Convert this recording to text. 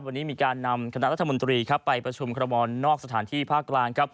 วันนี้มีการนำคณะรัฐมนตรีไปประชุมครบอลนอกสถานที่ภาคกลางครับ